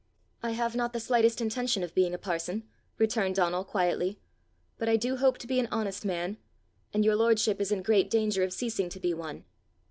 "I have not the slightest intention of being a parson," returned Donal quietly, "but I do hope to be an honest man, and your lordship is in great danger of ceasing to be one!"